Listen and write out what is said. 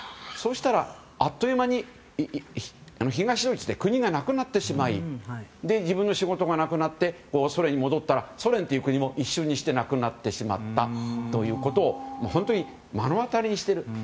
そうしたら、あっという間に東ドイツという国がなくなってしまい自分の仕事がなくなってソ連に戻ったらソ連という国も一瞬にしてなくなってしまったということを本当に目の当たりにしている。